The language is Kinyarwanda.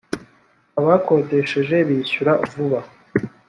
abakodesheje bishyura vuba.